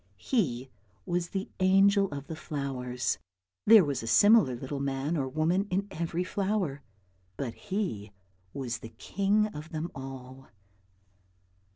He was the angel of the flowers. There was a similar little man or woman in every flower, but he was the king of them all.